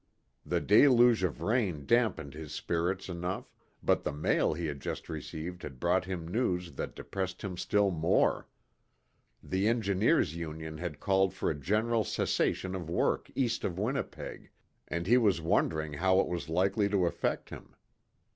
The deluge of rain damped his spirits enough, but the mail he had just received had brought him news that depressed him still more. The Engineers' Union had called for a general cessation of work east of Winnipeg, and he was wondering how it was likely to affect him.